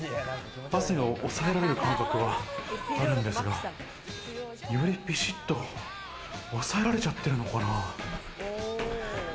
汗が抑えられる感覚はあるんですけど、よりピシっと抑えられちゃってるのかな？